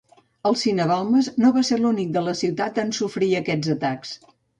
El Cine Balmes no va ser l'únic de la ciutat en sofrir aquests atacs.